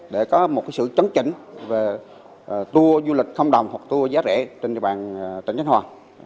để có một sự chấn chỉnh về tour du lịch không đồng hoặc tour giá rẻ trên địa bàn tỉnh khánh hòa